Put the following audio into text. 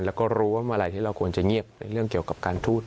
แล้วก็รู้ว่าเมื่อไหร่ที่เราควรจะเงียบในเรื่องเกี่ยวกับการทูต